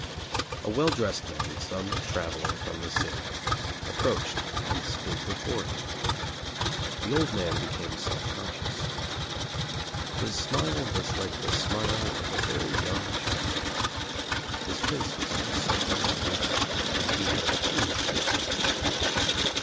I A well dressed man, some traveler from the city, » approached and stood before him. The old man became self conscious. His smile was like the smile of a very young child. His face was all sunken and wrinkled and he had a huge nose.